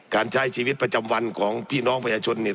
การใช้ชีวิตประจำวันของพี่น้องประชาชนเนี่ย